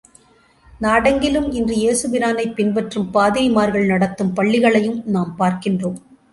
நாடெங்கிலும் இன்று இயேசு பிரானைப் பின்பற்றும் பாதிரிமார்கள் நடத்தும் பள்ளிகளையும் நாம் பார்க்கின்றோம்.